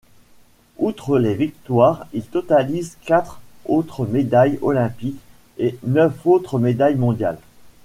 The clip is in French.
Outre les victoires, il totalise quatre autres médailles olympiques et neuf autres médailles mondiales.